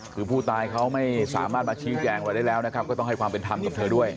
คือผู้ตายเขาไม่สามารถมาชี้แจงอะไรได้แล้วนะครับก็ต้องให้ความเป็นธรรมกับเธอด้วย